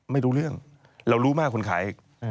ไม่รู้เรื่องเรารู้มากคนขาย